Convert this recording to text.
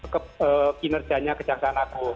kinerjanya kejaksana agung